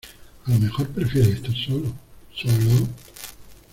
a lo mejor prefieres estar solo. ¿ solo?